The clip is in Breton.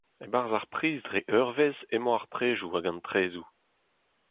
E-barzh ar priz dre eurvezh emañ ar predoù hag an trezoù.